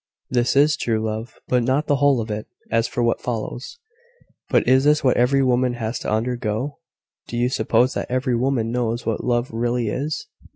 "This is true love; but not the whole of it. As for what follows " "But is this what every woman has to undergo?" "Do you suppose that every woman knows what love really is?